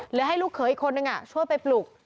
หรือให้ลูกเขยอีกคนนึงช่วยไปปลุก